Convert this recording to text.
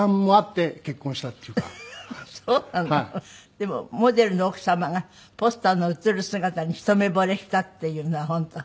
でもモデルの奥様がポスターに写る姿にひと目ぼれしたっていうのは本当？